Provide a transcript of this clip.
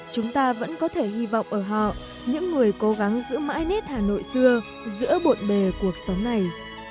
chúng ta vẫn có thể hy vọng ở họ những người cố gắng giữ mãi nét hà nội xưa giữa bộn bề cuộc sống này